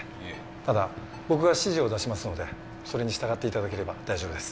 ただ僕が指示を出しますのでそれに従って頂ければ大丈夫です。